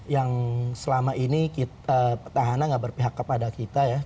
yang selama ini petahana nggak berpihak kepada kita ya